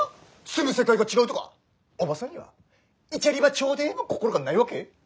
住む世界が違うとかおばさんにはいちゃりばちょーでーの心がないわけ？